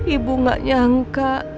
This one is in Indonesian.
ibu gak nyangka